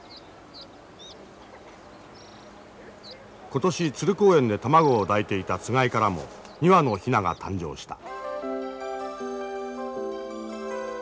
今年鶴公園で卵を抱いていたつがいからも２羽のヒナが誕生した。